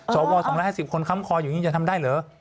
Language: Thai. สว๒๕๐คนค้ำคออยู่อย่างนี้จะทำได้เหรอ